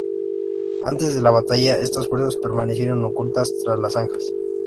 Antes de la batalla, estas fuerzas permanecieron ocultas tras las zanjas.